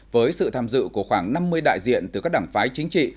với sự tham dự của khoảng năm mươi đại diện từ các đảng phái chính trị